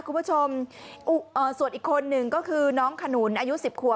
คุณผู้ชมส่วนอีกคนหนึ่งก็คือน้องขนุนอายุ๑๐ขวบ